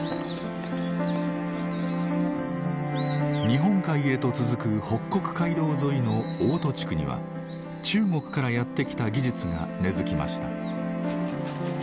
日本海へと続く北国街道沿いの大音地区には中国からやって来た技術が根づきました。